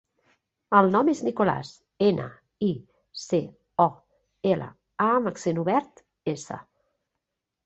El nom és Nicolàs: ena, i, ce, o, ela, a amb accent obert, essa.